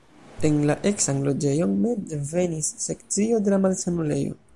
En la eksan loĝejon mem venis sekcio de la malsanulejo.